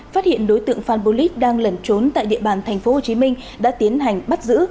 phát hiện đối tượng phan polis đang lẩn trốn tại địa bàn tp hcm đã tiến hành bắt giữ